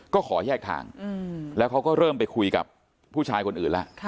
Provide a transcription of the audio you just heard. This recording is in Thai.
ก็ขอแยกทางแล้วเขาก็เริ่มไปคุยกับผู้ชายคนอื่นแล้ว